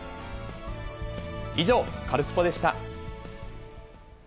以上、カルスポっ！でした。